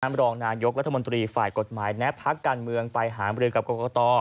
สุวรรณรองนายกรัฐมนตรีฝ่ายกฎหมายในภักดิ์การเมืองไปหาบริเวณกับกรกฎ